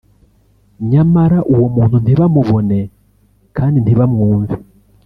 nyamara uwo muntu ntibamubone kandi ntibamwumve